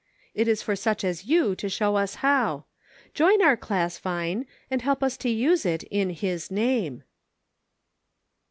It is for such as you to show us how. Join our class, Vine, and help us to. use it * In His Name.'